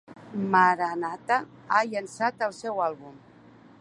Maranatha ha llançat el seu àlbum!